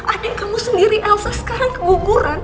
adik kamu sendiri elsa sekarang keguguran